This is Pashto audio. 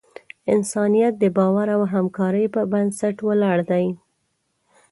انسانیت د باور او همکارۍ پر بنسټ ولاړ دی.